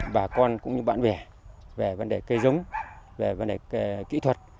bà con cũng như bạn bè về vấn đề cây giống về vấn đề kỹ thuật